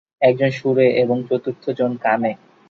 একজন শুঁড়ে এবং চতুর্থ জন কানে।